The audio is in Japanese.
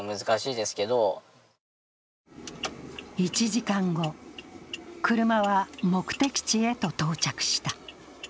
１時間後、車は目的地へと到着した。